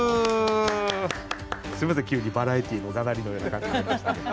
すみません急にバラエティーのがなりのような感じになりましたけど。